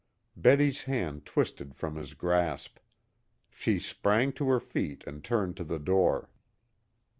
Betty's hand twisted from his grasp. She sprang to her feet and turned to the door.